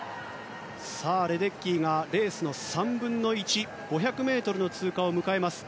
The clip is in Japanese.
レデッキーがレースの３分の１５００ｍの通過を迎えます。